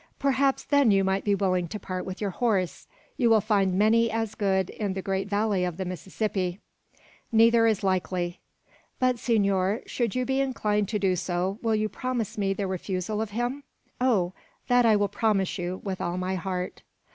"Perhaps then you might be willing to part with your horse? You will find many as good in the great valley of the Mississippi." "Neither is likely." "But, senor, should you be inclined to do so, will you promise me the refusal of him?" "Oh! that I will promise you, with all my heart."